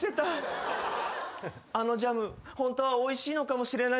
あのジャムホントはおいしいのかもしれないのに。